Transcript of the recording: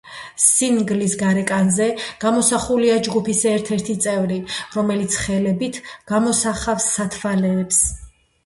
სინგლის გარეკანზე გამოსახულია ჯგუფის ერთ-ერთი წევრი, რომელიც ხელებით გამოსახავს სათვალეებს.